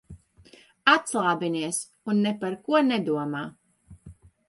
Atslābinies un ne par ko nedomā.